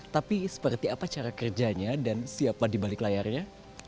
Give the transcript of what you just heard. tapi seperti apa cara kerjanya dan siapa di balik layarnya